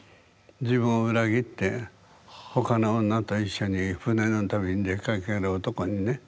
自分を裏切って他の女と一緒に船の旅に出かける男にね